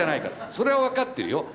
それは分かってるよ。